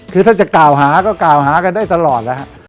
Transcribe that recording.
คือถ้าจะก่าวหาก็ก่าวหากันได้ตลอด